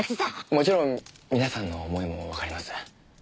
もちろん皆さんの思いもわかります。